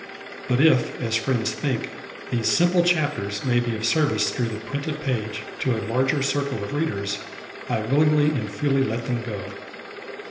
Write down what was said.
But if, as friends think, these simple chapters may be of service through the printed page to a larger circle of readers, I willingly and freely let them go.